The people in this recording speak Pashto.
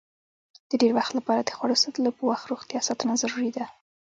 د ډېر وخت لپاره د خوړو ساتلو په وخت روغتیا ساتنه ضروري ده.